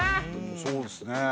そうですね。